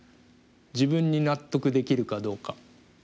自分に納得できるかどうか。